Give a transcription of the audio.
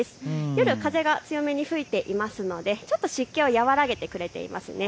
夜、風が強めに吹いていますのでちょっと湿気を和らげてくれていますね。